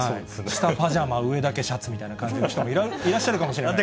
下パジャマ、上だけシャツみたいな方もいらっしゃるかもしれない。